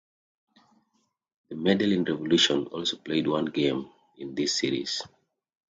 The Medellin Revolution also played one game in this series.